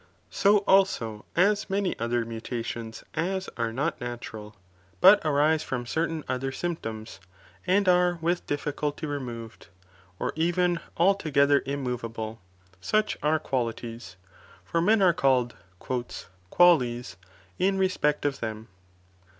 So also as many other mutations as are not natural, but arise from cerUiin other symptoms, and are with difficulty removed, or even altogether immovable, such are qualities, for men are called " quales " in respect of them.